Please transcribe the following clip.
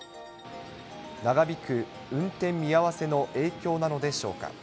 長引く運転見合わせの影響なのでしょうか。